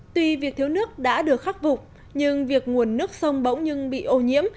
tuy việc thiếu nước đã được khắc vục nhưng việc nguồn nước sông bỗng nhưng bị ô nhiễm